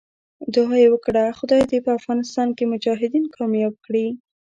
دعا یې وکړه خدای دې په افغانستان کې مجاهدین کامیاب کړي.